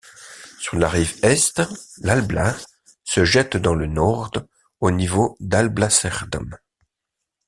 Sur la rive est, l'Alblas, se jette dans le Noord au niveau d'Alblasserdam.